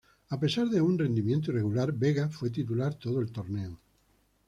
A pesar de un rendimiento irregular, Vega fue titular todo el torneo.